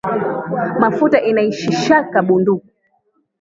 Makuta inaishishaka bunduku